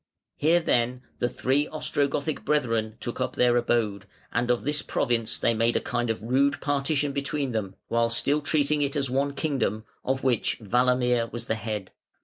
Here then the three Ostrogothic brethren took up their abode, and of this province they made a kind of rude partition between them, while still treating it as one kingdom, of which Walamir was the head.